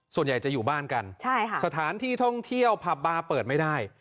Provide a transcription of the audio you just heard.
ส่วนใหญ่จะอยู่บ้านกันใช่ค่ะสถานที่ท่องเที่ยวผับบาร์เปิดไม่ได้